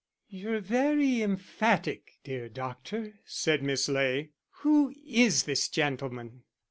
"You're very emphatic, dear doctor," said Miss Ley. "Who is this gentleman?"